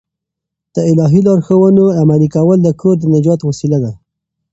د الهي لارښوونو عملي کول د کور د نجات وسیله ده.